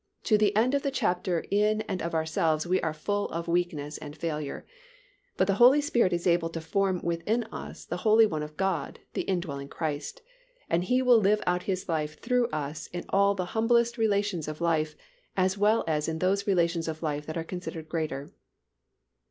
To the end of the chapter in and of ourselves we are full of weakness and failure, but the Holy Spirit is able to form within us the Holy One of God, the indwelling Christ, and He will live out His life through us in all the humblest relations of life as well as in those relations of life that are considered greater.